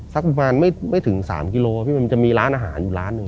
สักประมาณไม่ถึง๓กิโลพี่มันจะมีร้านอาหารอยู่ร้านหนึ่ง